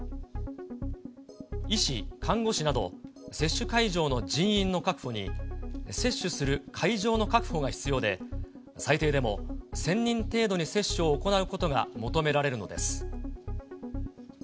医師、看護師など、接種会場の人員の確保に、接種する会場の確保が必要で、最低でも１０００人程度に接種を行うことが求められるのです。